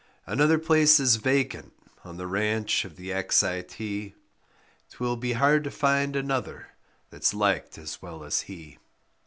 Another place is vacant on the ranch of the X I T, 'Twill be hard to find another that's liked as well as he.